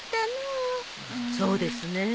そうですねえ。